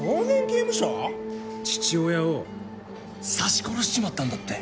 父親を刺し殺しちまったんだって。